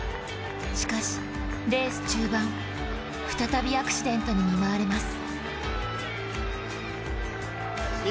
しかしレース中盤、再びアクシデントに見舞われます。